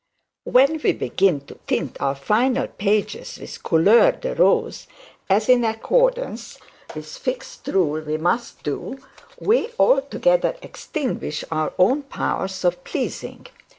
When we begin to tint our final pages with couleur de rose, as in accordance with fixed rule we must do, we altogether extinguish our own powers of pleasing.